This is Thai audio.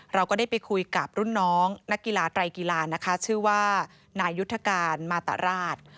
เราก็ได้ไปคุยกับรุ่นน้องนักกีฬาไตรกีฬานะคะชื่อว่านายุทธการมาตราช